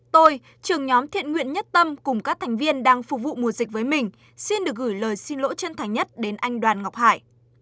tôi trưởng nhóm thiện nguyện nhất tâm cùng các thành viên đang phục vụ mùa dịch với mình xin được gửi lời xin lỗi chân thành nhất đến anh đoàn ngọc hải